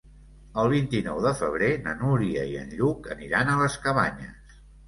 El vint-i-nou de febrer na Núria i en Lluc aniran a les Cabanyes.